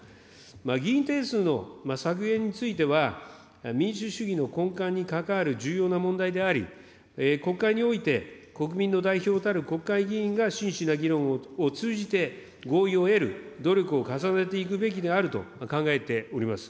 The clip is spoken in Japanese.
議員定数の削減については、民主主義の根幹にかかわる重要な問題であり、国会において国民の代表たる国会議員が真摯な議論を通じて合意を得る努力を重ねていくべきであると考えております。